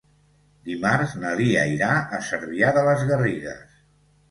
Dimarts na Lia irà a Cervià de les Garrigues.